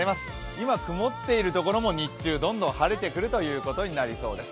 今、曇っているところも日中どんどん晴れてくるということになりそうです。